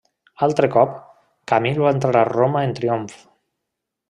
Altre cop, Camil va entrar a Roma en triomf.